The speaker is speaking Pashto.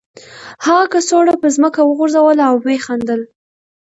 هغه کڅوړه په ځمکه وغورځوله او ویې خندل